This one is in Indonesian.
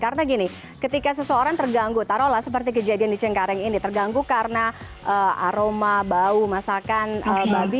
karena gini ketika seseorang terganggu taruh lah seperti kejadian di cengkareng ini terganggu karena aroma bau masakan babi